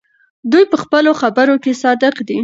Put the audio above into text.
دی په خپلو خبرو کې صادق دی.